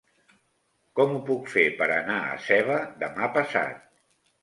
Com ho puc fer per anar a Seva demà passat?